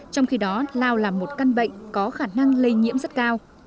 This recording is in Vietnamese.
trong khi đó lao là một căn bệnh có khả năng lây nhiễm rất cao